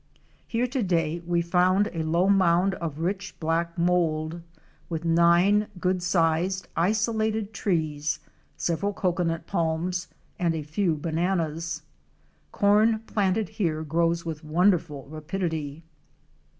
Here to day we found a low mound of rich black mould, with nine good sized isolated trees, several cocoanut palms and a few bananas. Corn planted here grows with wonderful rapidity.